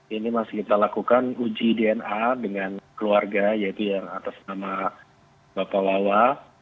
ini masih kita lakukan uji dna dengan keluarga yaitu yang atas nama bapak lawa